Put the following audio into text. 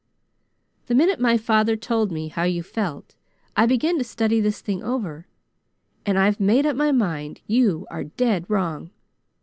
The minute my father told me how you felt, I began to study this thing over, and I've made up my mind you are dead wrong.